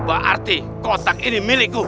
berarti kotak ini milikku